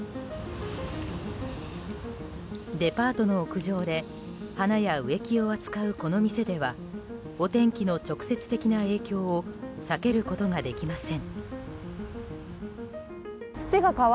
デパートの屋上で花や植木を扱うこの店ではお天気の直接的な影響を避けることができません。